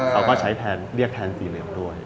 เขาก็ใช้แทนเรียกแทนสีเหลืองด้วย